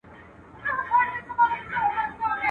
اوله گټه شيطان کړې ده.